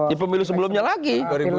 ya pemilu sebelumnya lagi